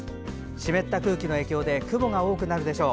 湿った空気の影響で雲が多くなるでしょう。